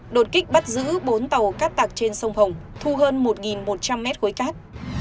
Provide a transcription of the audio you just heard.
đột kích bắt giữ bốn tàu cát tạc trên sông hồng thu hơn một một trăm linh m cuối cát